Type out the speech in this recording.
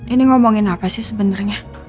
ini ngomongin apa sih sebenarnya